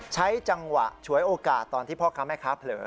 ใช้จังหวะฉวยโอกาสตอนที่พ่อค้าแม่ค้าเผลอ